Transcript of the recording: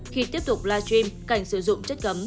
khi tiếp tục livestream cảnh sử dụng chất gấm